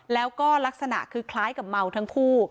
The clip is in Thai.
แล้วก็ลักษณะคือคล้ายกับเมาทั้งคู่